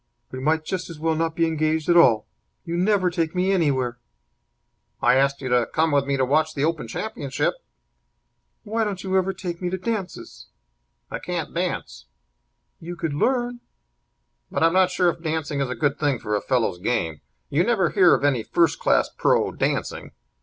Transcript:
"We might just as well not be engaged at all. You never take me anywhere." "I asked you to come with me to watch the Open Championship." "Why don't you ever take me to dances?" "I can't dance." "You could learn." "But I'm not sure if dancing is a good thing for a fellow's game. You never hear of any first class pro. dancing.